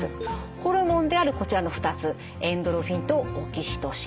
ホルモンであるこちらの２つエンドルフィンとオキシトシン。